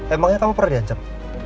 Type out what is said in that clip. emangnya kamu pernah diancam